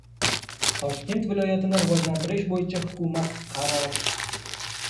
Toshkent viloyatini rivojlantirish bo‘yicha Hukumat qarori chiqdi